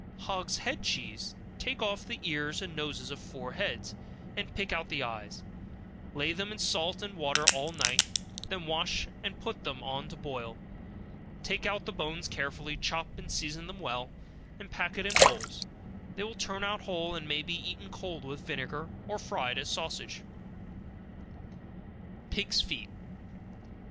Hogs' Head Cheese Take off the ears and noses of four heads, and pick out the eyes, and lay them in salt and water all night, then wash and put them on to boil, take out the bones carefully, chop and season them well, and pack it in bowls, they will turn out whole, and may be eaten cold with vinegar, or fried as sausage. Pigs' Feet.